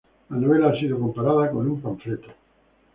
La novela ha sido comparada con un panfleto.